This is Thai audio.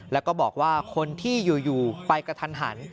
แล้วก็บอกว่าคนที่อยู่ไปกระทันหัน